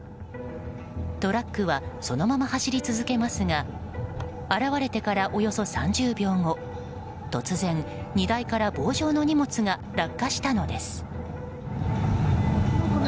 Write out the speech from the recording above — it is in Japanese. トラックはそのまま走り続けますが現れてからおよそ３０秒後突然、荷台から棒状の荷物が落下したのです。